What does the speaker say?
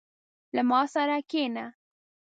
• له ما سره کښېنه.